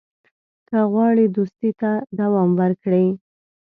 که غواړې دوستي دوام وکړي.